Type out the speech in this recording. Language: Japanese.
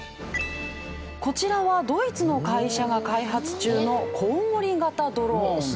こちらはドイツの会社が開発中のコウモリ型ドローン。